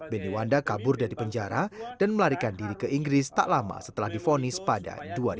beni wanda kabur dari penjara dan melarikan diri ke inggris tak lama setelah difonis pada dua ribu empat